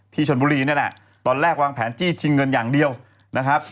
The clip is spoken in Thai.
ชนบุรีนี่แหละตอนแรกวางแผนจี้ชิงเงินอย่างเดียวนะครับ